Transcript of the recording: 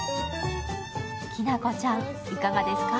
きなこちゃんいかがですか？